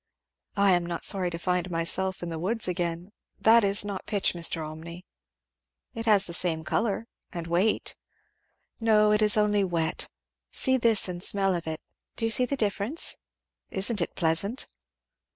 "I am not sorry to find myself in the woods again. That is not pitch, Mr. Olmney." "It has the same colour, and weight." "No, it is only wet see this and smell of it do you see the difference? Isn't it pleasant?"